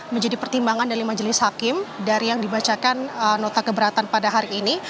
menjadi pertimbangan dari majelis hakim dari yang dibacakan nota keberatan pada hari ini